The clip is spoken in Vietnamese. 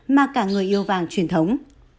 mà cả người yêu vàng truyền thống